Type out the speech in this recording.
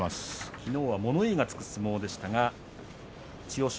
きのうは、物言いがつく相撲でしたが千代翔